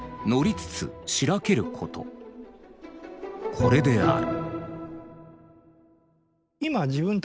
「これである」。